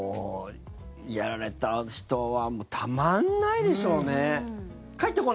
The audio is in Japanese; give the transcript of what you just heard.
やられた人はたまんないでしょうね。